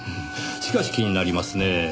しかし気になりますねぇ。